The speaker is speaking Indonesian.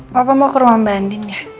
papa mau ke rumah mbak andin ya